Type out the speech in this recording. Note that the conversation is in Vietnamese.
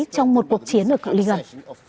trong một cuộc chiến ở cợi lý gần